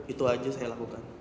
itu aja saya lakukan